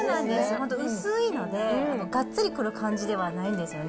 本当、薄いので、がっつりくる感じではないんですよね。